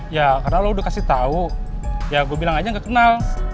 ya karena lo udah kasih tau ya gue bilang aja nggak kenal